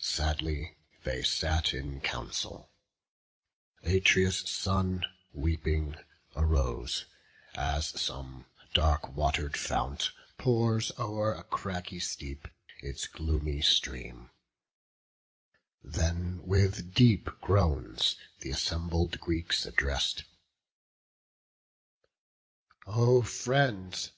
Sadly they sat in council; Atreus' son, Weeping, arose; as some dark water'd fount Pours o'er a craggy steep its gloomy stream; Then with deep groans th' assembled Greeks address'd: "O friends!